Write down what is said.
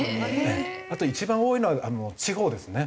あと一番多いのは地方ですね。